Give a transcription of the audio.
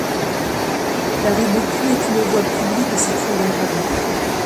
La rue Boucry est une voie publique située dans le de Paris.